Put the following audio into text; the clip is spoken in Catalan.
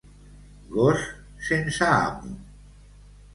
Gos sense amo.